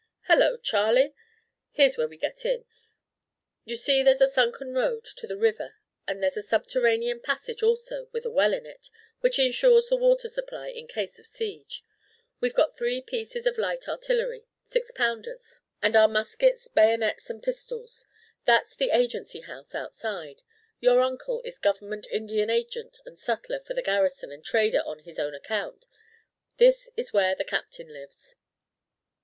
"Hello, Charley! Here's where we get in. You see there's a sunken road to the river and there's a subterranean passage also, with a well in it, which insures the water supply in case of a siege. We've got three pieces of light artillery six pounders and our muskets, bayonets, and pistols. That's the Agency House outside. Your uncle is Government Indian Agent and sutler for the garrison and trader on his own account. This is where the Captain lives."